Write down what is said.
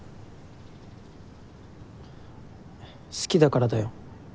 好きだからだよ。